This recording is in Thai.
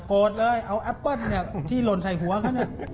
โกรธเลยเอาแอปเปิลที่โหลดใส่หัวเขา